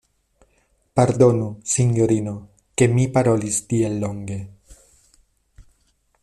Pardonu, sinjorino, ke mi parolis tiel longe.